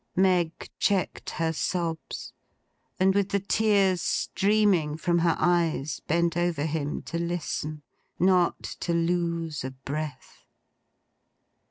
Meg checked her sobs, and with the tears streaming from her eyes, bent over him to listen. Not to lose a breath.